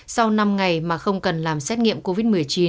sau năm ngày mà không cần làm xét nghiệm covid một mươi chín